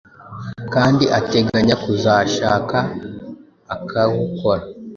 kandi ateganya kuzashaka akiwukora